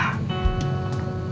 komisinya ada lah